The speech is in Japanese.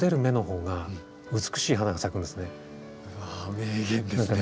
うわ名言ですね。